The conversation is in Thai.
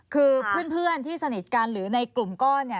คือเพื่อนที่สนิทกันหรือในกลุ่มก้อนเนี่ย